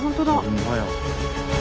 ほんまや。